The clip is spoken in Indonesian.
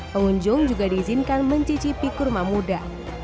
pengunjung juga diizinkan mencicipi kurma muda